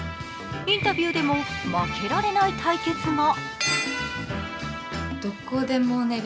インタビューでも負けられない対決が。